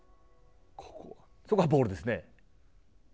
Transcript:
そこはボールですね。